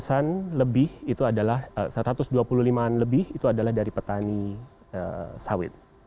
enam ratus an lebih itu adalah satu ratus dua puluh lima an lebih itu adalah dari petani sawit